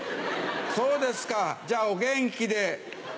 そうですかじゃあお元気で。